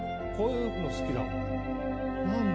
こういうの好きだな。